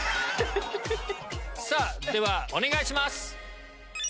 ではお願いします。